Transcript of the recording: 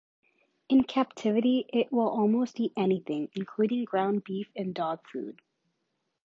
In captivity, it will eat almost anything, including ground beef and dog food.